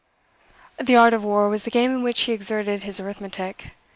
The art of war was the game in which he exerted his arithmetic.